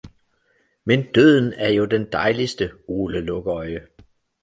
Men Døden er jo den dejligste Ole Lukøje!